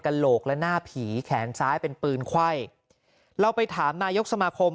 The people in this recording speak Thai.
โหลกและหน้าผีแขนซ้ายเป็นปืนไขว้เราไปถามนายกสมาคม